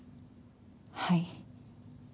はい。